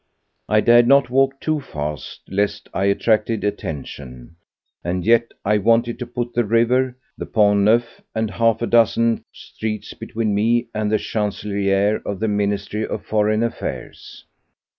I dared not walk too fast lest I attracted attention, and yet I wanted to put the river, the Pont Neuf, and a half dozen streets between me and the Chancellerie of the Ministry of Foreign Affairs.